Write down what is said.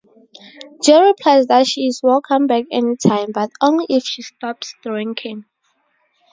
Joe replies that she is welcome back anytime, but only if she stops drinking.